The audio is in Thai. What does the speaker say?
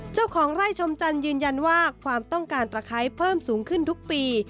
เจ้าของไร่ชมจันทร์ยืนยันว่าความต้องการตะไคร้เพิ่มสูงขึ้นทุกปี